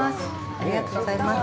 ありがとうございます。